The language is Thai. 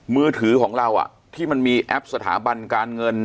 มือถือของเราที่มันมีแอปสถาบันการเงิน